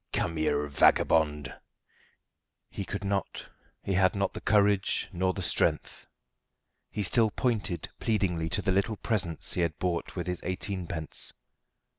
"Come here, vagabond!" He could not; he had not the courage nor the strength. He still pointed pleadingly to the little presents he had bought with his eighteenpence.